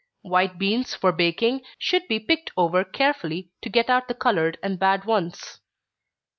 White beans for baking, should be picked over carefully to get out the colored and bad ones.